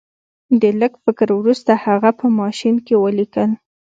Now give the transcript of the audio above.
د لږ فکر وروسته هغه په ماشین کې ولیکل